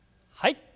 はい。